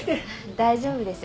大丈夫です。